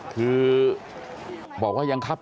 กลับไปลองกลับ